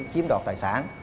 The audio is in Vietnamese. chiếm đọt tài sản